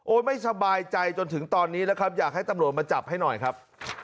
ไม่สบายใจจนถึงตอนนี้แล้วครับอยากให้ตำรวจมาจับให้หน่อยครับ